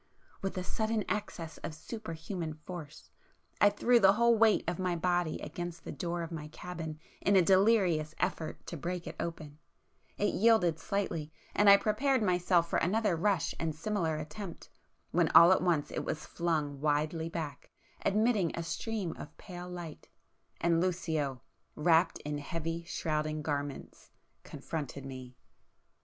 With a [p 459] sudden access of superhuman force I threw the whole weight of my body against the door of my cabin in a delirious effort to break it open,—it yielded slightly,—and I prepared myself for another rush and similar attempt,—when all at once it was flung widely back, admitting a stream of pale light, and Lucio, wrapped in heavy shrouding garments, confronted me.